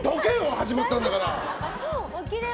始まったんだから。